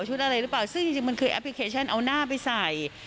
อะไรหรือเปล่าซึ่งจริงมันคือแอปพลิเคชันเอาหน้าไปใส่